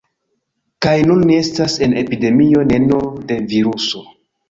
Kaj nun ni estas en epidemio ne nur de viruso